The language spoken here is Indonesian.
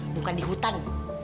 bukan di hutan